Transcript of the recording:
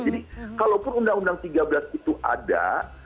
jadi kalau pun undang undang tiga belas itu ada